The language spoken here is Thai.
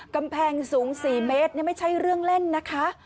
กำแพงสูง๔เมตรไม่ใช่เรื่องเล่นนะคะ